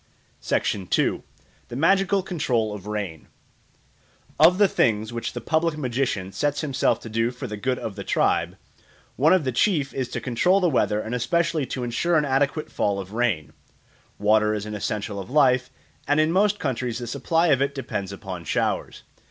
2. The Magical Control of Rain OF THE THINGS which the public magician sets himself to do for the good of the tribe, one of the chief is to control the weather and especially to ensure an adequate fall of rain. Water is an essential of life, and in most countries the supply of it depends upon showers.